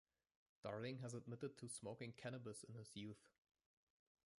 Darling has admitted to smoking cannabis in his youth.